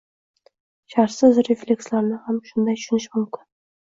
Shartsiz reflekslarni ham shunday tushunish mumkin